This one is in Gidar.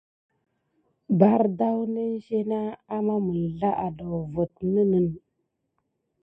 Avoto tat kuzabe bardaou mizine agampa diy awale bayague.